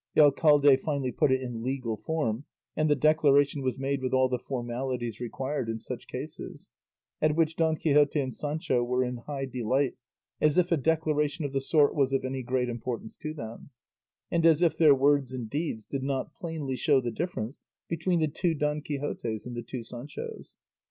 The alcalde finally put it in legal form, and the declaration was made with all the formalities required in such cases, at which Don Quixote and Sancho were in high delight, as if a declaration of the sort was of any great importance to them, and as if their words and deeds did not plainly show the difference between the two Don Quixotes and the two Sanchos.